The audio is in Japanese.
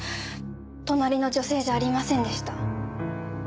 隣の女性じゃありませんでした。